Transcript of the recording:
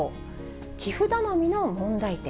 寄付頼みの問題点。